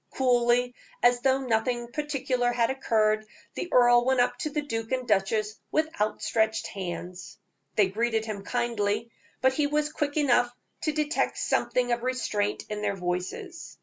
Coolly, as though nothing particular had occurred, the earl went up to the duke and duchess with outstretched hands. They greeted him kindly, but he was quick enough to detect something of restraint in their voices.